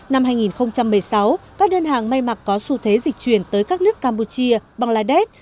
năm hai nghìn một mươi sáu các đơn hàng may mặc có xu thế dịch chuyển tới các nước campuchia bangladesh